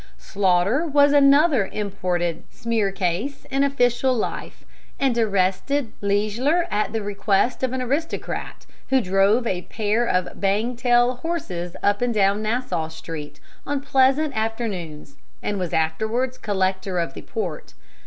Sloughter was another imported Smearkase in official life, and arrested Leisler at the request of an aristocrat who drove a pair of bang tail horses up and down Nassau Street on pleasant afternoons and was afterwards collector of the port.